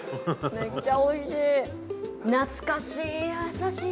めっちゃおいしい！